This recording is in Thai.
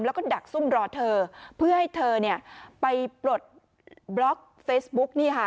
แล้วก็ดักซุ่มรอเธอเพื่อให้เธอเนี่ยไปปลดบล็อกเฟซบุ๊กนี่ค่ะ